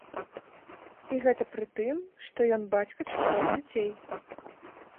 І гэта пры тым, што ён бацька чатырох дзяцей.